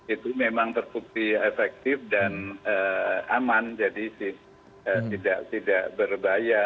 itu memang terbukti efektif dan aman jadi tidak berbahaya